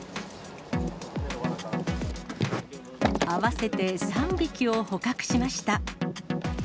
合わせて３匹を捕獲しました。